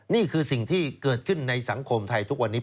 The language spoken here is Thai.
นี่คือสิ่งที่เกิดขึ้นในสังคมไทยทุกวันนี้